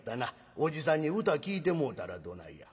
おじさんに歌聴いてもうたらどないや？